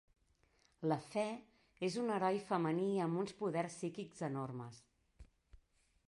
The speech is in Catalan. La fe és un heroi femení amb uns poders psíquics enormes.